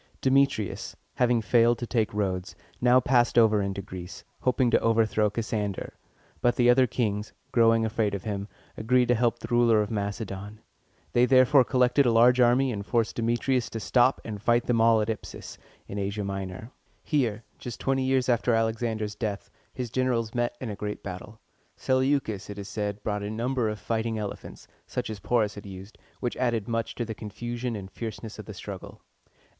Demetrius, having failed to take Rhodes, now passed over into Greece, hoping to overthrow Cassander; but the other kings, growing afraid of him, agreed to help the ruler of Macedon. They therefore collected a large army, and forced Demetrius to stop and fight them all at Ip´sus, in Asia Minor. Here, just twenty years after Alexander's death, his generals met in a great battle. Seleucus, it is said, brought a number of fighting elephants, such as Porus had used, which added much to the confusion and fierceness of the struggle.